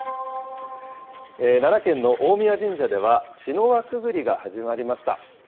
奈良県の大神神社では、茅の輪くぐりが始まりました。